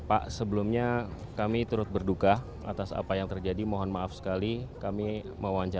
iya sepatu hitam pak